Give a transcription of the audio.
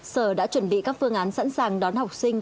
sở đã chuẩn bị các phương án sẵn sàng đón học sinh